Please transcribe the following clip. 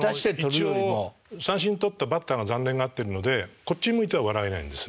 一応三振取ったバッターが残念がってるのでこっち向いては笑えないんです。